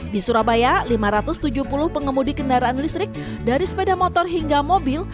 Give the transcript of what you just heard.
di surabaya lima ratus tujuh puluh pengemudi kendaraan listrik dari sepeda motor hingga mobil